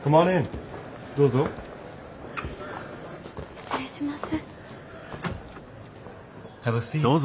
失礼します。